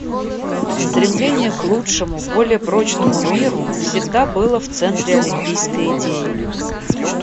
Стремление к лучшему, более прочному миру всегда было в центре олимпийской идеи.